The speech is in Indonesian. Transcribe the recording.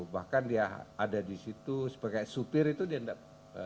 bahkan dia ada di situ sebagai supir itu dia tidak